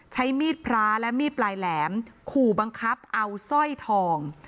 ใช้มีดพระและมีดปลายแหลมขู่บังคับเอาสร้อยทอง